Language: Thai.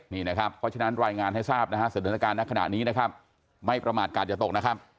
นี่นะครับเพราะฉะนั้นรายงานให้ทราบนะฮะสถานการณ์ในขณะนี้นะครับไม่ประมาทกาศอย่าตกนะครับ